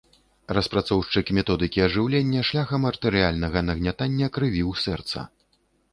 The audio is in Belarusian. Распрацоўшчык методыкі ажыўлення шляхам артэрыяльнага нагнятання крыві ў сэрца.